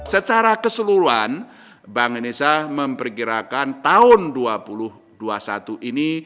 secara keseluruhan bank indonesia memperkirakan tahun dua ribu dua puluh satu ini